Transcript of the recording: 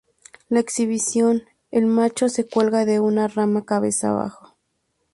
En la exhibición, el macho se cuelga de una rama cabeza abajo.